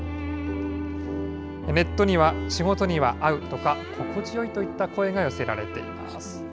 ネットには、仕事には合うとか、心地よいといった声が寄せられています。